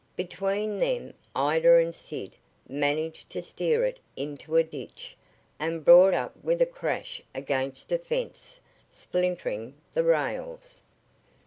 Between them Ida and Sid managed to steer it into a ditch, and brought up with a crash against a fence, splintering the rails.